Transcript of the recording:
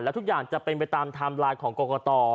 ทุกอย่างจะเป็นไปตามไทม์ไลน์ของกรกต